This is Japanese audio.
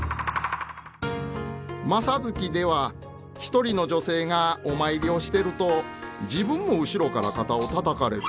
「正月」では一人の女性がお参りをしてると自分も後ろから肩をたたかれる。